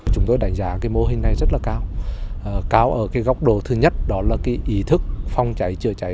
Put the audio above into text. chúng tôi đánh giá cái mô hình này rất là cao ở cái góc độ thứ nhất đó là cái ý thức phòng cháy chữa cháy